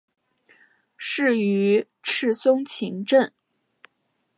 仕于赤松晴政。